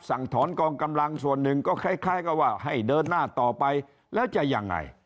สั่งถอนกองกำลังส่วนหนึ่งก็คล้ายกับว่าให้เดินหน้าต่อไปแล้วจะยังไง